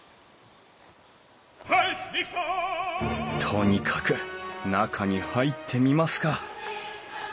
とにかく中に入ってみますか。